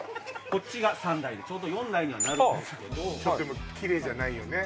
こっちが３台でちょうど４台にはなるんですけどキレイじゃないよね